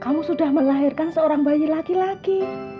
kamu sudah melahirkan seorang bayi laki laki